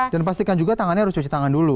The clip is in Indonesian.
dan pastikan juga tangannya harus cuci tangan dulu